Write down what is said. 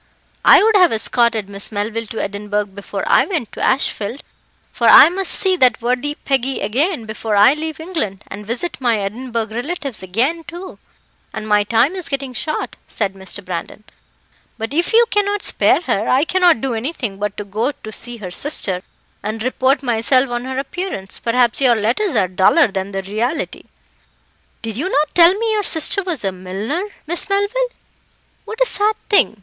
"I would have escorted Miss Melville to Edinburgh before I went to Ashfield, for I must see that worthy Peggy again before I leave England, and visit my Edinburgh relatives again, too, and my time is getting short," said Mr. Brandon; "but if you cannot spare her, I cannot do anything but go to see her sister, and report myself on her appearance; perhaps your letters are duller than the reality." "Did you not tell me your sister was a milliner, Miss Melville? What a sad thing.